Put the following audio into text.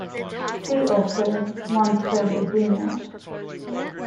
See also: Wanfried agreement.